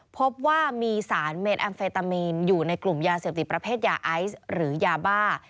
พบว่ามีสารเมนแอมเฟตามีนอยู่ในกลุ่มยาเสพติดประเภทยาไอซ์หรือยาบ้า